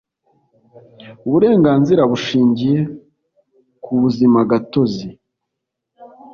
uburenganzira bushingiye ku buzimagatozi